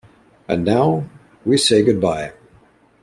And now, we say goodbye.